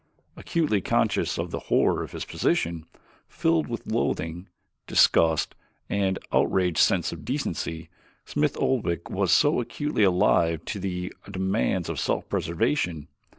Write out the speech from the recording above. Acutely conscious of the horror of his position, filled with loathing, disgust, and an outraged sense of decency, Smith Oldwick was also acutely alive to the demands of self preservation.